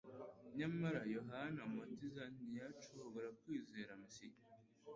Nyamara Yohana umubatiza ntiyacogora kwizera Mesiya.